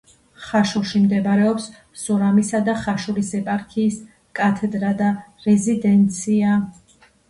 ხაშურში მდებარეობს სურამისა და ხაშურის ეპარქიის კათედრა და რეზიდენცია.